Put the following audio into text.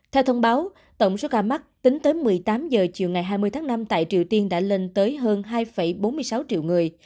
theo thông báo tổng số ca mắc tính tới một mươi tám h chiều ngày hai mươi tháng năm tại triều tiên đã lên tới hơn hai bốn mươi sáu triệu người